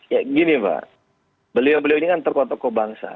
ya gini pak beliau beliau ini kan tokoh tokoh bangsa